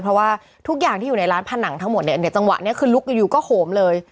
เพราะว่าทุกอย่างที่อยู่ในร้านผนังทั้งหมดเนี่ยจังหวะนี้คือลุกอยู่ก็โหมเลย